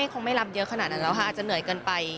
คงไม่รับเยอะขนาดนั้นแล้วค่ะอาจจะเหนื่อยเกินไป